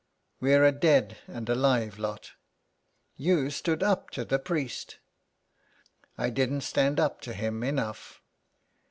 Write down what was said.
We're a dead and alive lot. You stood up to the priest." *' I didn't stand up to him enough.